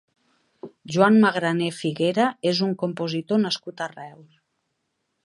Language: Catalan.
Joan Magrané Figuera és un compositor nascut a Reus.